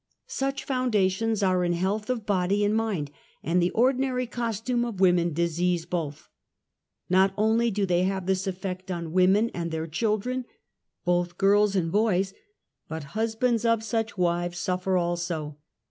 Such foundations are in health of body and mind, and the ordinary costume of ivomen disease both, Isot only do they have this effect on women and their children, both girls and boys, but husbands^ of such wives suffer also.